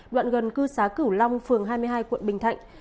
đoạn gần cư xá cửu long phường hai mươi hai quận bình thạnh